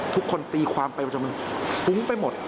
ทุกคนตีความไปจนมันฟุ้งไปหมด